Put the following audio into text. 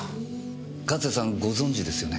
勝谷さんご存じですよね？